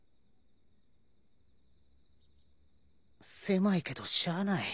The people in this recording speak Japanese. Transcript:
狭いけどしゃあない。